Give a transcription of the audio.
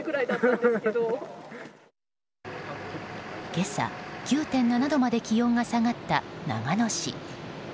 今朝、９．７度まで気温が下がった長野市。